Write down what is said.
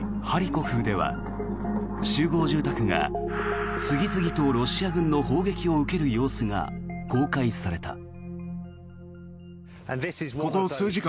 ハリコフでは集合住宅が次々とロシア軍の砲撃を受ける様子が公開された。